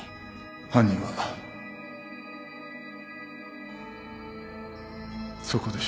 犯人はそこで死んでた。